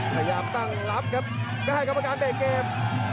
พยายามตั้งรับครับได้กรรมการเตะเกม